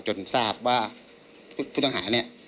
จนทราบว่าผู้ทำค่าเนี่ย